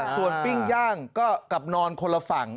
ส่วนปิ้งย่างก็กับนอนคนละฝั่ง